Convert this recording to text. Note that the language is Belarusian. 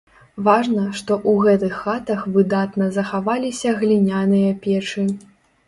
Важна, што ў гэтых хатах выдатна захаваліся гліняныя печы.